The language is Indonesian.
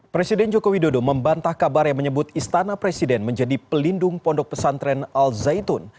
presiden joko widodo membantah kabar yang menyebut istana presiden menjadi pelindung pondok pesantren al zaitun